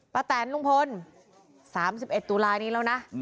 ประแตนลุงพลสามสิบเอ็ดตุลานี้แล้วนะ